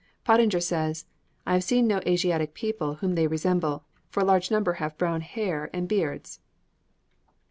Pottinger says, "I have seen no Asiatic people whom they resemble, for a large number have brown hair and beards."